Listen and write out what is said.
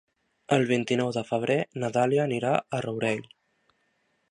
El vint-i-nou de febrer na Dàlia anirà al Rourell.